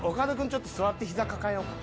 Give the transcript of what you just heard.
ちょっと座って膝抱えようか。